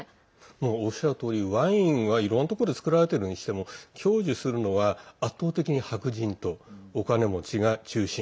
おっしゃるとおりワインはいろんなところで造られてるにしても享受するのは、圧倒的に白人とお金持ちが中心。